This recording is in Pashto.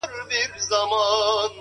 د شرابو په دېگو کي دوږخ ژاړي جنت خاندي